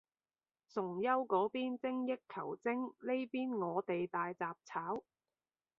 崇優嗰邊精益求精，呢邊我哋大雜炒